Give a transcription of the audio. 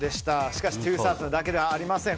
しかし２０００だけではありません。